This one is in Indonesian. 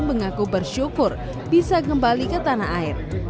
mengaku bersyukur bisa kembali ke tanah air